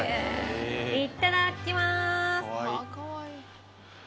いただきます！